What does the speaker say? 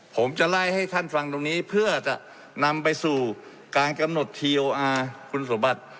ผมจะไล่ให้ท่านฟังตรงนี้เพื่อจะนำไปสู่การกำหนดทีโออาร์คุณสมบัติ